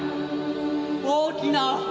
「大きな」。